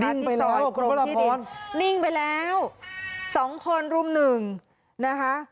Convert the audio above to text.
นิ่งไปแล้วนิ่งไปแล้วสองคนรุมหนึ่งนะคะ